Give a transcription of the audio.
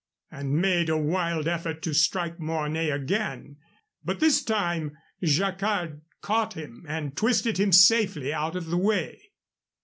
and made a wild effort to strike Mornay again. But this time Jacquard caught him and twisted him safely out of the way.